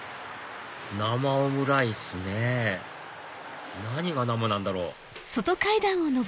生オムライスねぇ何が生なんだろう？